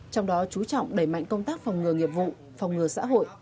trong đó chú trọng đẩy mạnh công tác phòng ngừa nghiệp vụ phòng ngừa xã hội